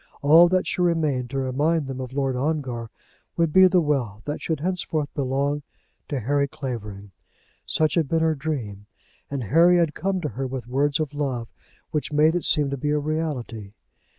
All that should remain to remind them of Lord Ongar would be the wealth that should henceforth belong to Harry Clavering. Such had been her dream, and Harry had come to her with words of love which made it seem to be a reality.